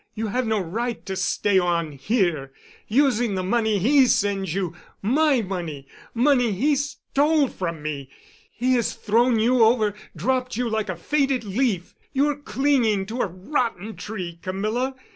"You have no right to stay on here, using the money he sends you—my money—money he stole from me. He has thrown you over, dropped you like a faded leaf. You're clinging to a rotten tree, Camilla.